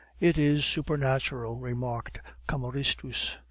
"It is supernatural," remarked Cameristus.